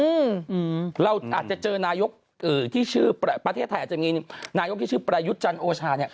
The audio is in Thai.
อืออืออือหรือที่ชื่อประเทศไทยจะมีนายกที่ชื่อปรายุจันโอชาเนี่ย